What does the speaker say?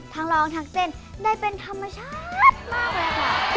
ร้องทั้งเต้นได้เป็นธรรมชาติมากเลยค่ะ